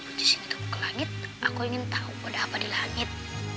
kalau biji biji singgah ke langit aku ingin tahu ada apa di langit